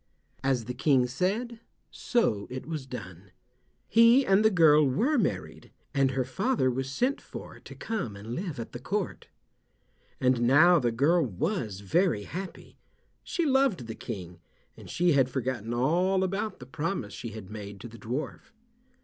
As the King said, so it was done. He and the girl were married, and her father was sent for to come and live at the court. And now the girl was very happy. She loved the King, and she had forgotten all about the promise she had made to the dwarf.